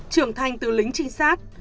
trưởng thành tư lính trinh sát